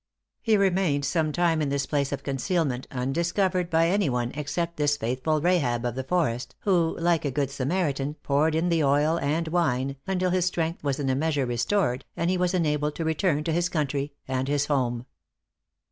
He remained sometime in this place of concealment, undiscovered by any one except this faithful Rahab of the forest, who like a good Samaritan, poured in the oil and wine, until his strength was in a measure restored, and he was enabled to return to his country and his home.